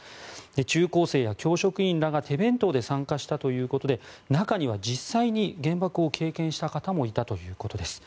中高生や教職員らが手弁当で参加したということで中には実際に原爆を経験した方もいたということです。